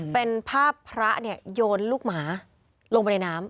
เป็นภาพพระโยนลูกหมาลงไปในน้ำ